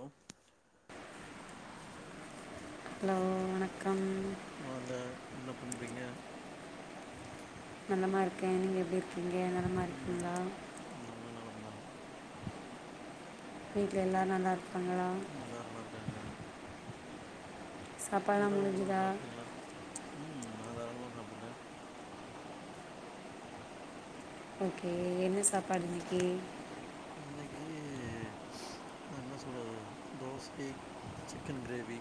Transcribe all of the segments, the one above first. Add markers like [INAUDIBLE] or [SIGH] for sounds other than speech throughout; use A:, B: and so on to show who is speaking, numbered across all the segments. A: ம்
B: ஹலோ வணக்கம்
A: வாந்த என்ன பண்றீங்க
B: நலமா இருக்கே நீங்க எப்டி இருக்கீங்க நலமா இருக்கீங்ளா
A: நாங்களு நலம் தா
B: வீட்ல எல்லாரு நல்லா இருக்காங்களா
A: ம் எல்லாரு நல்லா இருக்காங்க
B: சாப்பாடெலாம்
A: இரவு உணவு
B: முடிஞ்சுதா
A: சாப்ட்டீங்ளா ம் நா தாராளமா சாப்டுட்ட
B: ஓகே என்ன சாப்பாடு இன்னக்கி
A: இன்னக்கி எ அ என்ன சொல்றது தோசை சிக்கன் கிரேவி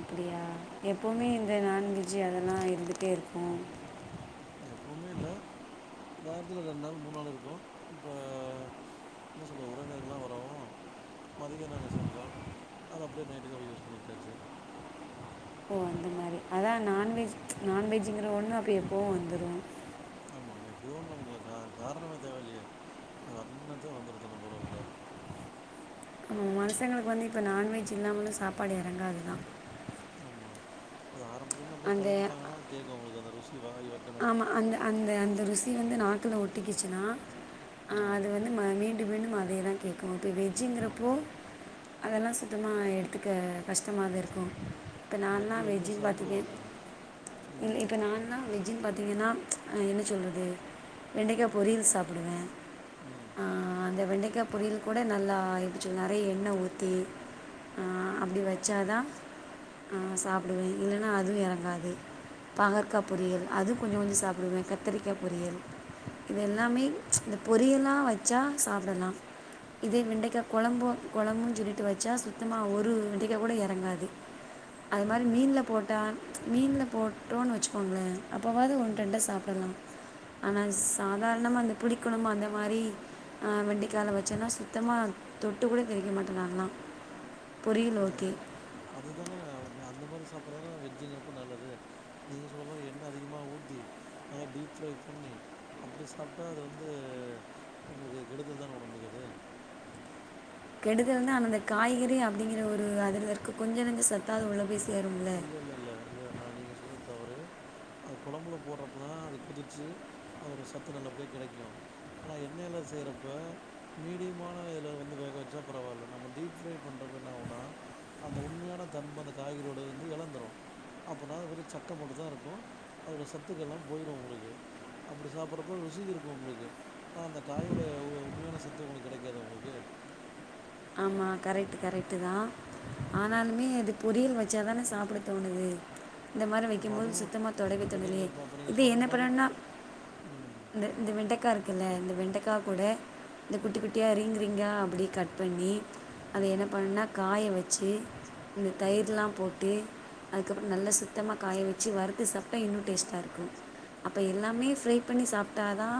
B: அப்டியா எப்பவுமே
A: ம்
B: இந்த நான்வெஜ்ஜு அதெல்லா இருந்துட்டே இருக்கு
A: எப்பவுமே இல்ல வாரத்தில ரெண்டு நாள் மூண் நாள் இருக்கு இப்ப என்ன சொல்ல உறவினர்கள்ல்லா வரவு மதியோ நாங்க செஞ்சோ அத அப்டியே நைட்டுக்கு அப்டி யூஸ் பண்ணிகிட்டாச்சு
B: ஓ அந்த மாரி அதா நான்வெஜ்
A: ம்
B: நான்வெஜ்ஜுங்கிற ஒன்னு அப்போ எப்போவு வந்துரு
A: ஆமா எப்பியோ ஒன்னு நமக்கு ஒ க காரணமே தேவ இல்லியே வரணுன்னா நெனச்சா வந்துரு தன்ன போல உள்ள
B: நம்ம மனுஷங்களுக்கு வந்து இப்போ நான்வெஜ் இல்லாமலு சாப்பாடு எறங்காது தா
A: ஆமா அது ஆரம்பத்துலேருந்து அப்டியே பழகிட்டாங்கன்னா கேக்கு அவுங்களுக்கு அந்த ருசி வாயி வ
B: ஆமா அந்த அந்த அந்த ருசி வந்து நாக்குல ஒட்டிக்கிச்சுன்னா அ
A: ம்.
B: அது வந்து ம மீண்டு மீண்டு அதே தா கேக்கு இப்போ வெஜ்ஜுங்கிறப்போ
A: ஆமா.
B: அதெல்லா சுத்தமா எடுத்துக்க கஷ்டமா தா இருக்கு இப்போ நால்லா
A: வெஜ்ஜு வந்து
B: வெஜ்ஜுன்னு பாத்துக்கே
A: சாப்டுவாங்க. ம்.
B: இப்போ நாலா வெஜ் ஜுன்னு பாத்தீங்கன்னா ஆ என்ன சொல்றது வெண்டக்கா பொரியல் சாப்புடு
A: ம்
B: ஆ அந்த வெண்டக்கா பொரியல் கூட நல்லா இருச்சி நெறைய எண்ணெ ஊத்தி ஆ அப்டி வச்சா தா ஆ சாப்பிடுவே இல்லன்னா அதுவு எறங்காது பாகற்க்கா பொரியல் அது கொஞ்ச கொஞ்ச சாப்ட்டுவே கத்திரிக்கா பொரியல் இது எல்லாமே இந்த பொரியல்லா வச்சா சாப்ட்டலா இதோ வெண்டக்கா கொழம்பு கொழம்புன் சொல் லிட்டு வச்சா சுத்தமா ஒரு வெண்டக்கா கூட எறங்காது அதே மாரி
A: ம்.
B: மீன்ல போட்டா மீன்ல போட்டோன்னு வச்சுக்கோங்களே அப்போவாது ஒன்னு
A: ம்.
B: ரெண்ட சாப்ட்டலா ஆனா சாதாரணமா அந்த புளிக் கொழம்பு அந்த மாரி அ வெண்டக்கால வச்சோன்னா சுத்தமா தொட்டுக் கூட கழிக்க மாட்டே நாலா
A: ஏ அதுதானே ஒன்னே அந்த மாரி சாப்புட்றது தான வெஜ்ஜுங்கிறப்ப நல்லது நீங்க சொல்ற மாரி எண்ணெ அதிகமா ஊத்தி நல்லா டீப் ஃப்ரை பண்ணி அப்டி சாப்ட்டா அது வந்து உங்களுக்கு அது கெடுதல் தானே ஒடம்புக்கு அது
B: கெடுதல்னா அந்தந்த காய்கறி அப்டிங்கிற ஒரு அதிலருக்க கொஞ்ச நஞ்ச சத்தாவது உள்ள போயி
A: இல்ல இல்ல இல்ல இல்ல நா நீங்க சொல்றது தவறு அது கொழம்புல போடுறப்போ தா அது கொதிச்சு அதோட சத்து நல்லபடியா கெடைக்கு ஆனா எண்ணெய்ல செய்யுறப்ப மீடியமான இதுல வந்து வேக வச்சா பரவால்ல நம்ம டீப் ஃப்ரை பண்றப்ப என்ன ஆகுன்னா அந்த உண்மையான தன்ம அந்த காய்கறியோடது வந்து எழந்துரு அப்பன்னா அது வெறு சக்க மட்டுந்தா இருக்கு அதோட சத்துக்கள்ல்லா போயிரு உங்களுக்கு அப்டி சாப்புட்றப்ப ருசி இருக்கு உங்களுக்கு ஆ அந்த காயோடுய உ உண்மையான சத்து உங்களுக்கு கெடைக்காதே உங்களுக்கு
B: ஆமா கரெக்ட் கரெக்ட்டு தா
A: ம்
B: ஆனாலுமே அது பொரியல் வச் சாதானே சாப்ட்ட தோணுது இந்த மாரி
A: அப்ப
B: வக்குபோது
A: அதுவு
B: சுத்தமா தொடவே
A: இப்ப நீங்க
B: தோணலையே
A: இப்ப அப்ப நீங்க
B: இது
A: சொன்ன
B: என்ன
A: மாரி
B: பண்ணனுன்னா
A: ம்
B: இந்த இந்த வெண்டக்கா இருக்குல்லே இந்த வெண்டக்கா கூட இந்த குட்டி
A: ம்
B: குட்டியா ரிங் ரிங்கா அப்டியே கட் பண்ணி அத
A: ம்
B: என்ன பண்ணனுனா காய வச்சு இந்த
A: ம்
B: தயிர்லா போட்டு அதுக்கப்பறோ நல்ல சுத்தமா காய வச்சு வறுத்து சாப்ட்டா இன்னு டேஸ்ட்டா இருக்கு அப்ப எல்லாமே ஃப்ரை பண்ணி சாப்ட்டாதா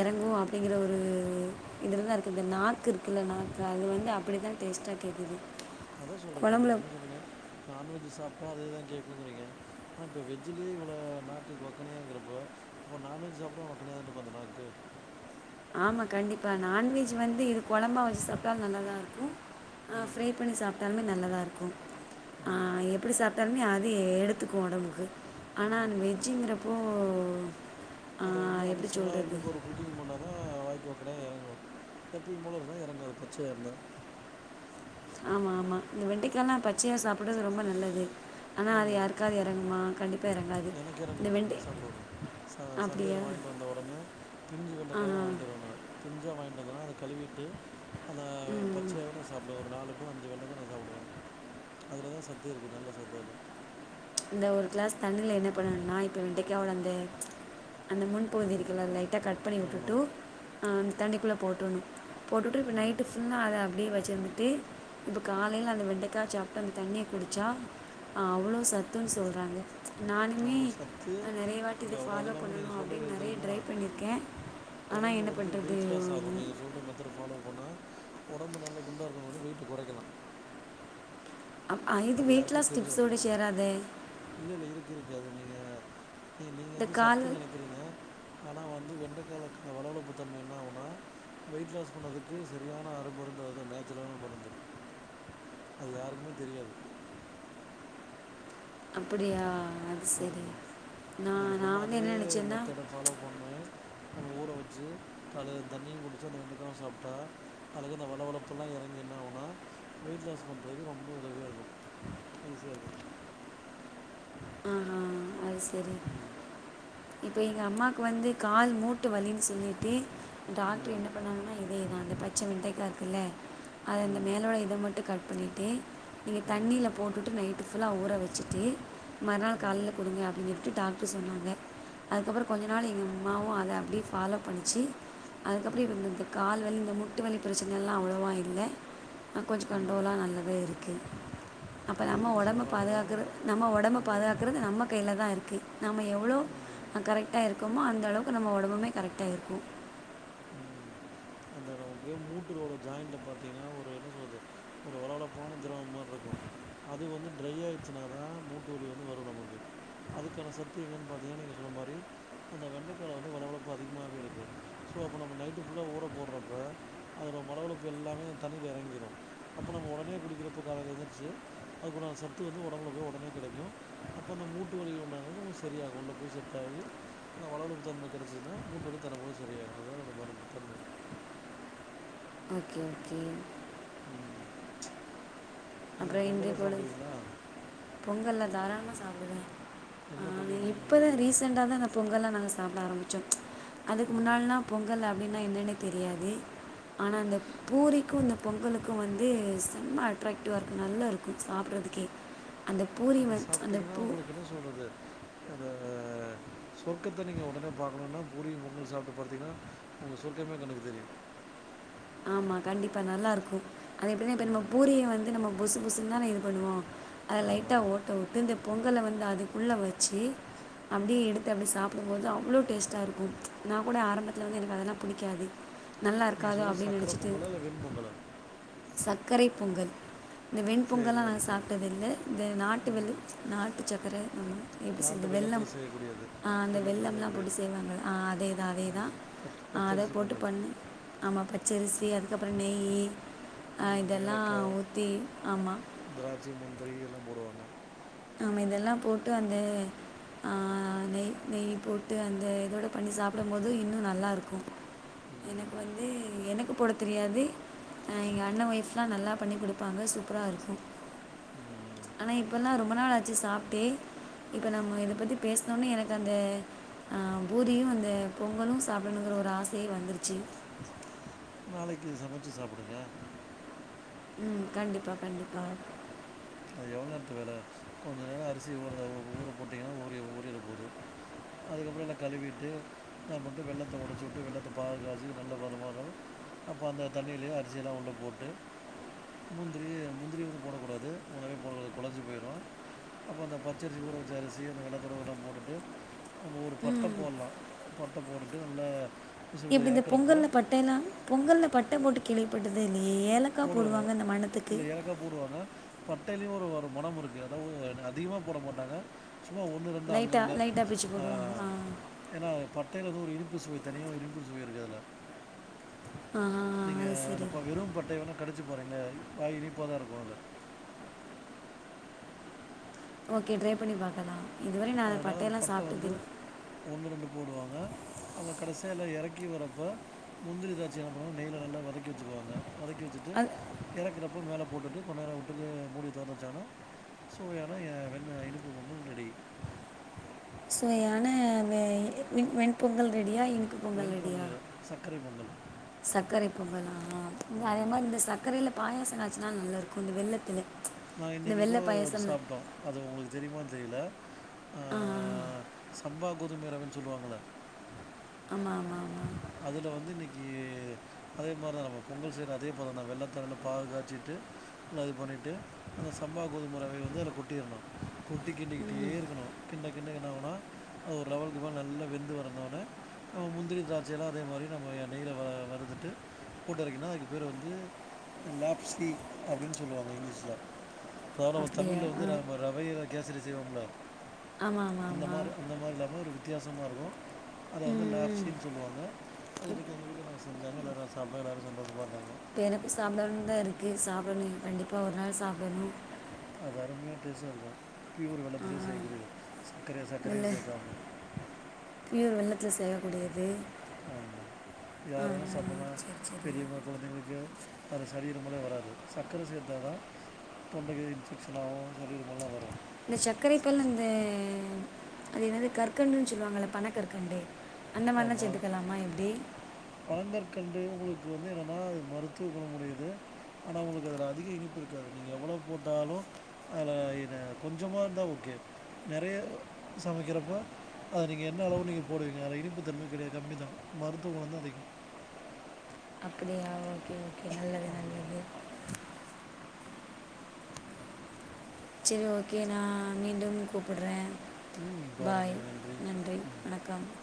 B: இறங்கும் அப்டிங்கிற ஒரு இதுலதா இருக்கு இந்த நாக்கு இருக்கு ல்ல நாக்கு அது வந்து அப்டிதா டேஸ்ட்டா கேட்குது
A: அதா சொல்ற இப்ப நீங்க
B: குழம்புல
A: என்ன சொன்னீங்க நான்வெஜ் சாப்ட்டா அதேதா கேட்குறீங்க ஆனா இப்ப வேஜ்ல்லயே இவ்ள நாக்கு வக்கனையா இருக்குறப்ப இப்போ நான்வெஜ் சாப்ட வக்கனையாதான இருக்கு அந்த நாக்கு
B: ஆமா கண்டிப்பா நான்வெஜ் வந்து இது குழம்பா வச்சு சாப்ட்டா நல்லாதா இருக்கும் ஆ
A: ம்
B: ஃப்ரை பண்ணி சாப்ட்டாலுமே நல்லதா இருக்கும் அ
A: ம்
B: எப்டி சாப் டாலுமே அது எடுத்துக்கு உடம்புக்கு ஆனா அ வெஜ்ஜிங்கிறப்போ
A: அத வந்து அடிஷ்னலா இன்னக்கு ஒரு குக்கிங் பண்ணா தா வாய்க்கு வைக்கனா இறங்கும் எப்பயி போல இருந்தா இறங்காது பச்சயா இருந்தா
B: ஆமா ஆமா இந்த வெண்டிக்கால்லா பச்சையா சாப்பிடுறது ரொம்ப நல்லது ஆனா அது
A: ஆமாம்
B: யாருக்காவது இறங்குமா கண்டிப்பா
A: எனக்கு இறங்குமே நா சாப்டுவனே ச சந்தையில
B: அப்படியா
A: வாயிண்டு வந்த உடனே பிஞ்சு வெண்டக்காவா
B: ஆஹா
A: வாய்ண்டுவருவ நா பிஞ்சா வாய்ண்டு வந்தனா அத கலிவிட்டு அந்த
B: ம்
A: பச்சையாவே சாப்புடுவ ஒரு நாலு எப்போவு அஞ்சு வெண்டக்க நா சாப்டுவ அதுல தா சத்தே இருக்கு நல்ல சத்து அதுல
B: இந்த ஒரு கிளாஸ் தண்ணியில என்ன பண்ணணும்னா இப்போ வெண்டைக்காவ வந்து அந்த முன்பகுதி இருக்குல லைக் கட் பண்ணி
A: ஆமா
B: விட்டுட்டு தண்ணிக்குள்ள போட்டுணும் போட்டுவிட்டு இப்போ
A: ம்
B: நைட்டு ஃபுல்லா அத அப்டியே வச்சுருந்துட்டு இப்போ காலையில் அந்த வெண்டைக்காவ சாப்ட்டு அந்த தண்ணிய குடிச்சா அவ்ளோ சத் [UNINTELLIGIBLE] சொல்றாங்க நானுமே
A: அவ்வளோ சத்து
B: நெறயவாட்டி இத
A: அவ்வளோ அது
B: ஃபாலோ
A: இல்லாம நீங்க
B: பண்ணணும்
A: சொல்றது
B: அப்டின்னு
A: எது
B: நெறய
A: தெரியுமா
B: ட்ரை பண்ணியிருக்க ஆனா
A: உடம்பு
B: என்ன
A: வந்து
B: பண்றது
A: வெயிட் லாஸ் ஆகும் நீங்க சொல்ற மெத்தட் ஃபாலோ பண்ணா உடம்பு நல்லா குண்டா இருக்கவங்க வந்து வெயிட்டு குறைக்கலா
B: அப் இது
A: அது
B: வெயிட் லாஸ்
A: யாருக்கும் தெரியாது
B: ஸ்டிப்ஸ்ஓடா இது சேராதே
A: இல்ல இல்ல இருக்கு இருக்கு அது நீங்க நீ நீங்க
B: இந்த
A: வந்து
B: கால்
A: சத்துன்னு நெனைக்கிறீங்க ஆனா வந்து வெண்டைக்காலக்கு இந்த வளவளப்பு தன்மை என்ன ஆகுன்னா வெயிட் லாஸ் பண்ணதுக்கு சரியான அறு மருந்து அதுதா நேச்சுரலான மருந்து அது யாருக்குமே தெரியாது
B: அப்டியா அது சேரி
A: ஆமா
B: நா
A: நீங்கள்
B: நா
A: சொன்ன
B: வந்து
A: அதே
B: என்ன நெனச்சன்னா
A: மெத்தடை ஃபாலோ பண்ணுவ நம்ம ஊற வச்சு காலையில் தண்ணியு குடிச்சு அந்த வெண்டக்கவும் சாப்ட்டா அதுல இருக்குற இந்த வளவளப்பு எல்லா இறங்கி என்னனாவுனா வெயிட் லாஸ் பண்றதுக்கு ரொம்ப உதவியா இருக்கும் ஈசியா இருக்கு
B: ஆஹா அது சரி
A: ம்
B: இப்போ எங்க அம்மாக்கு வந்து கால் மூட்டு வலின்னு சொல்லிட்டு டாக்டர்
A: ம்
B: என்ன பண்ணாங்கன்னா இதேதா அந்த பச்ச வெண்ட்டைக்கா இருக்குல்ல அத அந்த
A: ம்
B: மேல உள்ள இத மட்டு கட் பண்ணிட்டு நீங்க
A: ம்
B: தண்ணியில போட்டுவிட்டு நைட்டு ஃபுல்லா ஊற வச்சுட்டு மறுநாள்
A: ம்
B: காலையில் குடிங்க அப்டிங்கிறது விட்டு டாக்டரு சொன்னாங்க அதுக்கப்பற கொஞ்ச நாள் எங்க அம்மாவும் அத அப்டியே ஃபாலோ பண்ணுச்சு அதுக்கப்பற இப்போ
A: ம்
B: இந்த இந்த கால் வலி இந்த முட்டு வலி பிரச்சனைெலா அவ்ளோவா இல்ல கொஞ்ச
A: ம்
B: கண்ட்ரோலா நல்லதே இருக்கு அப்போ
A: அது
B: நம்ம
A: எதுக்கு
B: உடம்ப
A: சொல்கிறாங்கன்னா
B: பாதுகாக்கிற நம்ம உடம்ப
A: ஆமாம் ஆமாம்
B: நம்ம கையில தா இருக்கு நம்ம எவ்ளோ
A: ஆமாம் ஆமாம்
B: கரைக்ட இருக்கோமோ அந்த அளவுக்கு நம்ம உடம்புமே கரெக்டா இருக்கும்
A: ம் அந்த நமக்கு மூட்டுரோட ஜாயிண்ட்ல பார்த்தீங்கன்னா ஒரு என்ன சொல்றது ஒரு வளவளப்பான்ன திரவ மாதிரி இருக்கும் அது வந்து ட்ரரை ஆயிடுச்சுனா தா மூட்டு வலி வந்து வரு நமக்கு அதுக்கான சத்து எங்கன்னு பார்த்தீங்கன்னா நீங்க சொன்ன மாதிரி அந்த வெண்டைக்கால வந்து வளவளர்பு அதிகமாகவே இருக்கு ஸோ அப்போ நம்ம நைட்டு ஃபுல்லா ஊற போடுறப்ப அதோட வளழப்பு எல்லாமே இந்த தண்ணியில இறங்கிடும் அப்ப நம்ம ஒடனே குடிக்கிறப்ப காலைல எந்துருச்சு அதுக்குட சத்து வந்து ஒடம்புல போய் ஒடனே கெடைக்கு அப்போ அந்த மூட்டு வலி உண்டானது உங்களுக்கு சரியாகு உள்ள போய் செட்டாயி அந்த வழவழுப்பு தன்மை கெடைச்சுன்னா மூட்டு வழி தன்ன போல சரியாயிரு அதா என்னோட மருந்து தன்ம
B: ஓகே ஓகே
A: ம் நீங்க பொங்கல்லா சாப்டுவீங்களா
B: பொங்கல்லா தாராளமா சாப்டுவே ஆ
A: என்ன பொங்கல் புடிக்கு
B: இப்பதா
A: உங்களுக்கு
B: ரீசண்டா தா நா பொங்கல்லா நாங்க சாப்புட ஆரம்பிச்சோ அதுக்கு
A: ம்
B: முன்னாடில்லா பொங்கல் அப்டின்னா என்னன்னே தெரியாது ஆனா அந்த பூரிக்கு இந்த பொங்கலுக்கு வந்து செும்மா அட்ராக்ட் டிவா இருக்கு நல்லா இருக்கு சாப்றதுக்கே அந்த பூரி வ
A: அத
B: அந்த பூ
A: சொல்றது அது சொர்க்கத்த நீங்க ஒடனே பாக்கணுனா பூரியு பொங்கலு சாப்ட்டு பாத்தீங்கன்னா உங்க சொர்கமே கண்ணுக்கு தெரியு
B: ஆமா கண்டிப்பா நல்லா இருக்கு அது எப்டினா இப்ப நம்ம
A: ம்
B: பூரிய வந்து நம்ம புசு புசுன்னு தானே இது பண்ணுவோ அத
A: ஆமா
B: லைட்டா ஓட்ட உட்டு இந்த பொங்கல வந்து அது உள்ள வெச்சு அப்டியே எடுத் து அப்டி சாப்டும்போது அவ்ளோ டேஸ்டா இருக்கு நா கூட ஆரம்பத்துல வந்து எனக்கு அதெல்லா புடிக்காது நல்லா இருக்காது அப்
A: க்கற பொங்கலா இல்ல வெண் பொங்கலா
B: சக்கரை பொங்கல் இந்த
A: சேரி
B: வெண்பொங்கல்லா
A: அது
B: நாங்க
A: சரி
B: சாப்ட்டதில்ல இந்த நாட்டு வெள்ள
A: ம்
B: நாட்டு சக்கர நம்ம எப்டி
A: நாட்டு
B: சொல்து வெள்ளம்
A: வெல்லத்துல செய்யக்கூடியது
B: ஆ அந்த
A: வெல்லத்துல
B: வெள்ளம்லா போட்டு
A: செய்யக்கூடியது
B: செய்வாங்க ஆ அதேதா அதேதா
A: ம் பச்
B: ஆ அத
A: பச்சரிசி
B: போட்டு
A: பொங்கல்
B: பண்ணி ஆமா பச்சரிசி அதுக்கப்புற நெய்யி அ
A: ம்
B: இதெல்லா
A: ஏலக்கா
B: ஊத்தி ஆமா
A: திராட்சை முந்திரி எல்லா போடுவாங்க
B: ஆமா இதெல்லா போட்டு அந்த ஆ நெய் நெய் போட்டு அந்த இதோட பண்ணி சாப்புடும் போது இன்னு நல் நல்லா இருக்கு எனக்கு
A: ம்
B: வந்து எனக்கு போட தெரியாது ஆ எங்க அண்ண ஒய்ஃப்ல்லா நல்லா பண்ணி குடுப்பாங்க சூப்பரா இருக்கு
A: ம்
B: ஆனா இப்ப எல்லா ரொம்ப நாள் ஆச்சு சாப்ட்டே இப்ப நம்ம இத பத்தி பேசுனோனே எனக்கு அந்த அ பூரியும் அந்த பொங்கலும் சாப்டண்ணுங்கிற ஒரு ஆசயே வந்துருச்சு
A: நாளைக்கு சமச்சு சாப்புடுங்க
B: ம் கண்டிப்பா கண்டிப்பா
A: அது எவ்ள் நேரத்து வேல கொஞ்சம் நேரம் அரிசி ஊற ஊற போட்டீங்கன்னா ஊறிர ஊறிர போது அதுக்கப்புற என்ன கழுவிட்டு அம்புட்டு வெல்லத்த ஒடச்சி விட்டு வெல்லத்த பாகு காய்ச்சி நல்ல பதமாவரவு அப்றோ அந்த தண்ணியில அரிசியெல்லா உள்ள போட்டு முந்திரி முந்திரி வந்து போடக்கூடாது முதவே போடக்கூடா கொழஞ்சி போயிரும் அப்றோ அந்த பச்சரிசி ஊற வச்ச அரிசி அந்த வெல்லத்தோடவெல்லா போட்டுட்டு நம்ம ஒரு பட்ட
B: ம்
A: போட்லா பட்ட போட்டுட்டு நல்லா விசில்
B: இப்டி
A: விட்டு
B: இந்த
A: இறக்குறப்ப
B: பொங்கல்ல பட்ட எல்லா பொங்கல்ல பட்ட போட்டு கேள்விப்பட்டதே இல்லியே ஏல க்கா போடுவாங்க இந்த மணதுக்கு
A: தா போடுவாங்க பட்டையிலு ஒரு ஒரு மணம் இருக்கு அதாவு என்ன அதிகமா போட மாட்டாங்க சும்மா ஒன்னு ரெண்டு அங்கங்க
B: லைட்டாக லைட்டாக பிச்சு
A: ஆ
B: போடுவாங்க
A: ஏன்னா பட்டையில வந்து ஒரு இனிப்பு சுவை தனியா ஒரு இனிப்பு சுவை இருக்கு அதுல
B: ஆஹா
A: நீங்க
B: அது
A: அந்த
B: சரி
A: ப வெறு பட்டைய வேணா கடிச்சு பாருங்களே வாய் இனிப்பா தா இருக்கு அதுல
B: ஓகே ட்ரை பண்ணி பாக்கலா இதுவரை நா அந்த பட்டை எல்லா சாப்ட்டதுல்ல
A: ஒன்னு ரெண்டு போடுவாங்க அப்ப கடைசியா எல்லா எறக்கி வரப்ப முந்திரி திராச்சய என்ன பண்ணுவாங்க நெய்ல நல்லா வதக்கி வெச்சுக்குவாங்க வதக்கி வெச்சுட்டு
B: அது
A: எறக்குறப்ப மேலே போட்டுட்டு கொஞ் நேர விட்டுட்டு மூடிய தொறந்து வெச்சாங்கன்னா சுவையான எ வெண் இனிப்பு பொங்கல் ரெடி
B: சுவையான வெ வெண் வெண்பொங்கல் ரெடியா இனிப்பு பொங்கல் ரெடியா
A: வெண்பொங்கல் இல்ல, சர்க்கரை பொங்கல்
B: சக்கரை பொங்கலா அதே
A: ம்
B: மாரி இந்த சக்கரைல பாயசம் காய்ச்சனா நல்லாயிருக்கும் இந்த வெல்லத்தில
A: நான்
B: இந்த
A: இன்றைக்கி
B: வெல்ல
A: கூட ஒரு
B: பாயசம்ல
A: சாப்பிட்டோம் அது உங்களுக்கு தெரியுமா தெரில
B: ஆமா
A: சம்பா கோதுமை ரவைன் சொல்லுவாங்களா
B: ஆமா ஆமா ஆமா
A: அதுல வந்து இன்னைக்கி அதே மாரிதா நம்ம பொங்கல் செய்ற அதே பதம் தா வெல்லத்த நல்லா பாகு காய்ச்சிட்டு ஃப்ரை பண்ணிட்டு அந்த சம்பா கோதுமரவை வந்து அதில கொட்டிறணு கொட்டி கிண்டிக்கிட்டே இருக்கணு கிண்ட கிண்ட என்னாவுனா ஒரு லெவலுக்கு மேல நல்லா வெந்து வரந்தாவ்னே முந்திரி திராட் ச்சலா அதே மாரி நம்ம நெய்யில்ல வ வறுதுட்டு போட்டு அரைக்கன்னா அதுக்கு பேர் வந்து லாப்சி அப்டின் சொல்லுவாங்க இங்கிலீஷ்ல வேற ஒரு
B: அப்படியா
A: தமிழ்ல
B: ஆ
A: வந்து ர ரவையில கேசரி செய்வோம்ல
B: ஆமாம் ஆமாம்
A: அந்த
B: ஆமாம்
A: மாரி அந்த மாரி இல்லாம ஒரு வித்தியாசமா இருக்கும் அத வந்து
B: ம்
A: லேப்ஸின் சொல்லுவாங்க அது இன்னைக்கு எங்க வீட்ல செஞ்சாங்க எல்லாரு சாப்ட்டோ எல்லாரு சந்தோஷமா இருந்தாங்க
B: எனக்கும் சாப்டணுன் தா இருக்கு சாப்டணு கண்டிப்பா ஒரு நாள் சாப்டணு
A: அது அருமையா டேஸ்ட்டா இருக்கும் ப்யூர் வெல்லத்துலே செய்யக்கூடியது சக்கரை சக்கரையே சேக்காம
B: ப்யூர் வெல்லத்தில செய்யக்கூடியது
A: ஆமா யார் வேணா சாப்பில்லா
B: சரி சரி
A: பெரிய்வங் குழந்தைங்களுக்கு அது சளி இருமலு வராது சக்கரை சேர்த்தாதா தொண்டைக்கு இன்ஃபெக்ஷனாவு சளி இரும்பல்லா வரு
B: இந்த சக்கரைப்பல் இந்த அது என்னது கற்கண்டுன் சொல்லுவாங்கள பன கற்கண்டு அந்த மாரிலா
A: ஆமாம்
B: சேத்துக்கலாமா எப்டி
A: பனங்கற்கண்டு உங்களுக்கு வந்து என்னன்னா மருத்துவ குணமுடையது ஆனா உங்களுக் அதில அதிக இனிப்பு இருக்காது நீங்க எவ்வளோவ் போட்டாலு ஆனா இது கொஞ்சமா இருந்தா ஓகே நெறைய சமைக்கிறப்ப அது நீங்க என்ன அளவு நீங்க போடுவீங்க அதுல இனிப்பு தன்மை கெடையா கம்மி தா மருத்துவ குணம் தா அதிகம் ம்
B: அப்படியா ஓகே ஓகே நல்லது நல்லது சேரி ஓகே நா மீண்டும் கூப்புட்றே
A: ம்
B: பாய்
A: பாருங்கள்
B: நன்றி
A: ம்
B: வணக்கம் [UNINTELLIGIBLE]